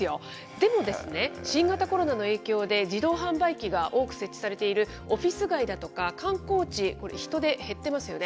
でもですね、新型コロナの影響で、自動販売機が多く設置されているオフィス街だとか観光地、これ人出、減ってますよね。